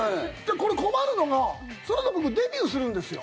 これ、困るのが、そのあと僕デビューするんですよ。